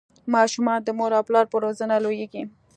ماشومان د مور او پلار په روزنه لویږي.